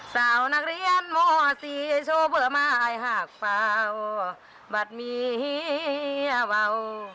สาวนักเรียนหมอสีโชว์เบิดไม้หักเป่าบัตรมีเบา